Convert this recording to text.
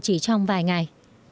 kể trong vài ngày